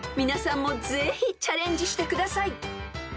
［皆さんもぜひチャレンジしてください］